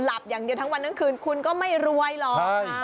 อย่างเดียวทั้งวันทั้งคืนคุณก็ไม่รวยหรอก